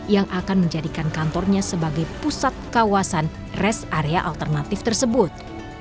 yang akan menjadikan kantornya sebagai pusat kawasan rest area alternatif tersebut